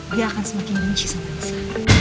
dia akan semakin rinci sama elsa